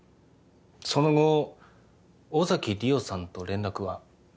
その後尾崎莉桜さんと連絡は？